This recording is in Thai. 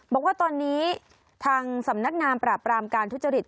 บอกว่าตอนนี้ทางสำนักงานปราบรามการทุจริต